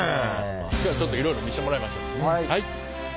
今日はちょっといろいろ見してもらいましょう。